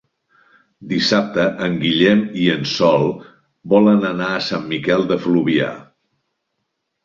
Dissabte en Guillem i en Sol volen anar a Sant Miquel de Fluvià.